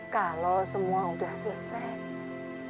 kalau semua udah selesai